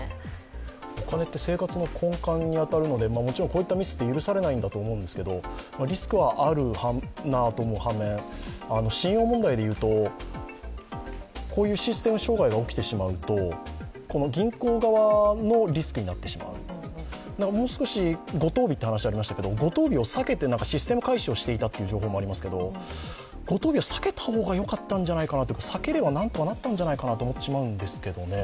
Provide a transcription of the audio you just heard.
お金って生活の根幹に当たるのでこういったミスって許されないと思うんですけどリスクはあると思う反面、信用問題でいうとこういうシステム障害が起きてしまうと銀行側のリスクになってしまう、五十日という話がありましたけれども、五十日を避けてシステム回収をしていたという話もありますけど、避けた方がよかったんじゃないかなと、避ければ何とかなったんじゃないかなと思ってしまうんですけどね。